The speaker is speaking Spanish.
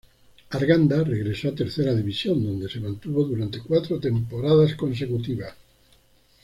Arganda regresó a Tercera División, donde se mantuvo durante cuatro temporadas consecutivas.